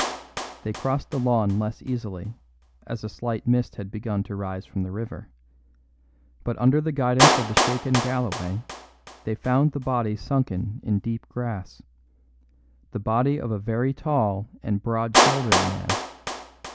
They crossed the lawn less easily, as a slight mist had begun to rise from the river; but under the guidance of the shaken Galloway they found the body sunken in deep grass the body of a very tall and broad shouldered man.